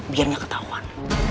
biar gak ketahuan